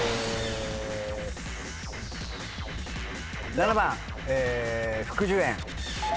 ７番福寿園。